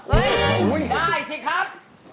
เฮ่ยได้สิครับ